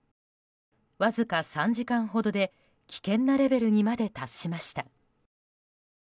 わずか３時間ほどで危険なレベルにまで達しました。